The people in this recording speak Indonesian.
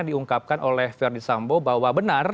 diungkapkan oleh ferdisambo bahwa benar